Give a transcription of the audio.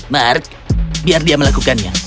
mark biar dia melakukannya